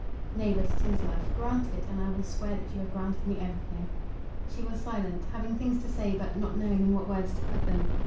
"Nay, but it is, love. Grant it, and I will swear that you have granted me everything." She was silent, having things to say but not knowing in what words to put them.